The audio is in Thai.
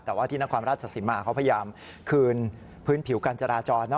แต่ว่าที่นครราชสีมาเขาพยายามคืนพื้นผิวการจราจร